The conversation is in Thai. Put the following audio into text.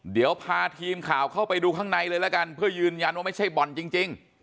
เดี๋ยวพาทีมข่าวเข้าไปดูข้างในเลยละกันเพื่อยืนยันว่าไม่ใช่บ่อนจริง